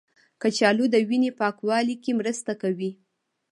کچالو د وینې پاکوالي کې مرسته کوي.